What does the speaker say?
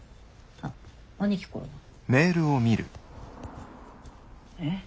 あっ兄貴からだ。え？